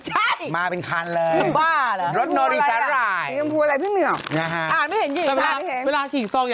หวังง่าย๔๕